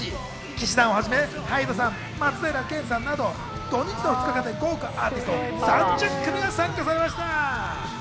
氣志團をはじめ、ＨＹＤＥさん、松平健さんなど土日の２日間で豪華アーティスト３０組が参加されました。